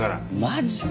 マジか。